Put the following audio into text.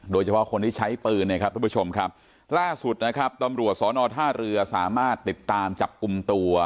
โดยเฉพาะคนที่ใช้ปืนเนี่ยครับทุกผู้ชมครับล่าสุดนะครับตำรวจสอนอท่าเรือสามารถติดตามจับกลุ่มตัว